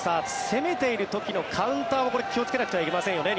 攻めている時のカウンターを気をつけなくてはいけませんよね